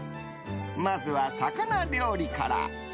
まずは、魚料理から。